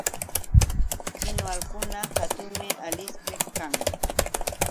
Kinwalkuna hatunmi Alispi kan.